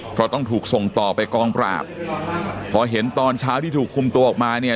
เพราะต้องถูกส่งต่อไปกองปราบพอเห็นตอนเช้าที่ถูกคุมตัวออกมาเนี่ย